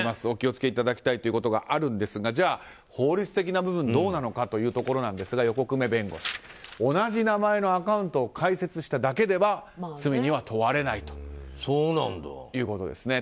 お気をつけいただきたいということがあるんですがじゃあ、法律的な部分どうなのかというところなんですが横粂弁護士、同じ名前のアカウントを開設しただけでは罪には問われないということです。